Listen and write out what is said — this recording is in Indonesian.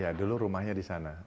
ya dulu rumahnya di sana